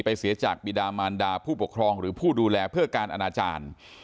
เสียจากบิดามานดาผู้ปกครองหรือผู้ดูแลเพื่อการอนาจารย์